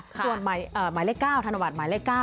ส่วนหมายเลข๙ธนบัตรหมายเลข๙